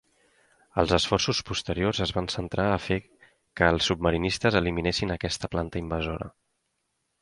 Els esforços posteriors es van centrar a fer que els submarinistes eliminessin aquesta planta invasora.